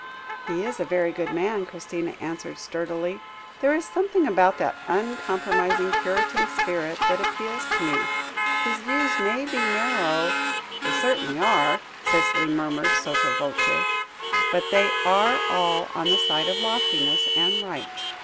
"He is a very good man," Christina answered sturdily; "there is something about that uncompromising puritan spirit that appeals to me. His views may be narrow " "They certainly are," Cicely murmured sotto voce, "but they are all on the side of loftiness and right."